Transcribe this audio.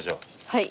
はい。